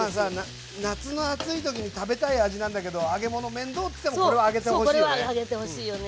夏の暑い時に食べたい味なんだけど揚げ物面倒っていってもこれは揚げてほしいよね。